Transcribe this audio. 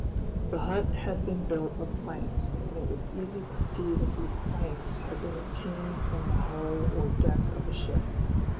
The hut had been built of planks, and it was easy to see that these planks had been obtained from the hull or deck of a ship.